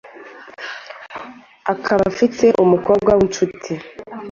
akaba afite umukobwa w’inshuti